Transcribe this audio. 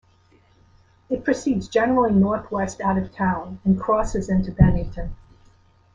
It proceeds generally northwest out of town and crosses into Bennington.